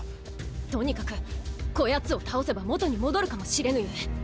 とにかくこやつを倒せば元に戻るかもしれぬゆえ。